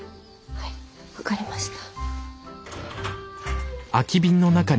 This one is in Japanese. はい分かりました。